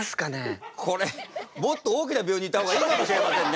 これもっと大きな病院に行った方がいいかもしれませんね。